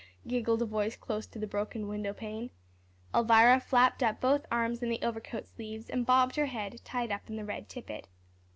giggled a voice close to the broken window pane. Elvira flapped up both arms in the overcoat sleeves, and bobbed her head, tied up in the red tippet.